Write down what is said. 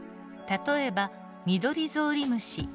例えばミドリゾウリムシ。